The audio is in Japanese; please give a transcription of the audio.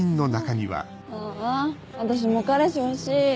ああ私も彼氏欲しい。